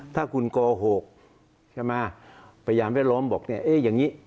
ถ้าคุณโกหกใช่ไหมพยานแวดล้อมบอกเนี่ยเอ๊ะอย่างนี้